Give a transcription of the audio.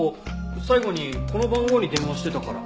最後にこの番号に電話してたから。